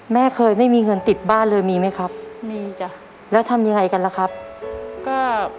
แม่เคยไม่มีเงินติดบ้านเลยมีไหมครับมีจ้ะแล้วทำยังไงกันล่ะครับก็